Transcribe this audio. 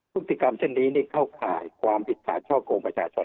ธุรกิจกรรมเช่นนี้เข้าข่ายความผิดขาดเช่าโกงประชาชน